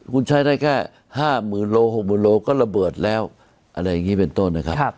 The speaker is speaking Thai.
คุณใช้ได้แค่ห้ามื่นโลหกหมื่นโลก็ระเบิดแล้วอะไรอย่างงี้เป็นต้นนะครับ